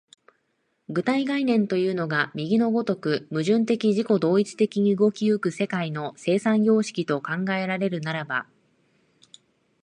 具体概念というのが右の如く矛盾的自己同一的に動き行く世界の生産様式と考えられるならば、